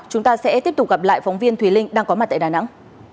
chúng ta sẽ tiếp tục gặp lại phóng viên thùy linh đang có mặt tại đà nẵng